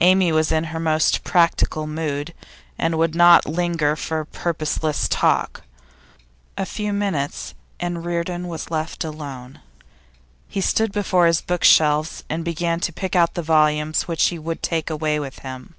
Amy was in her most practical mood, and would not linger for purposeless talk. A few minutes, and Reardon was left alone. He stood before his bookshelves and began to pick out the volumes which he would take away with him.